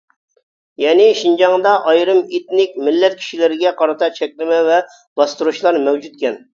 يەنى شىنجاڭدا ئايرىم ئېتنىك مىللەت كىشىلىرىگە قارىتا چەكلىمە ۋە باستۇرۇشلار مەۋجۇتكەن.